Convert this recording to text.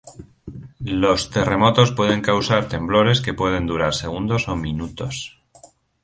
Los terremotos pueden causar temblores que pueden durar segundos o minutos.